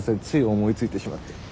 つい思いついてしまって。